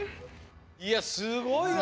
いやすごいよさ